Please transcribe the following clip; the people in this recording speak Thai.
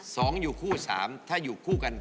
สองอยู่คู่สามถ้าอยู่คู่กัน